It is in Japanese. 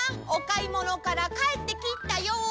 おかいものからかえってきたよ！